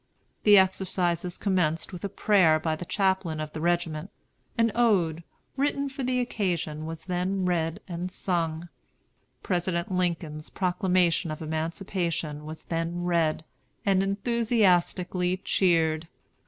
The exercises commenced with a prayer by the chaplain of the regiment. An ode, written for the occasion, was then read and sung. President Lincoln's Proclamation of Emancipation was then read, and enthusiastically cheered.